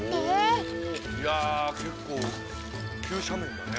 いやけっこうきゅうしゃめんだね。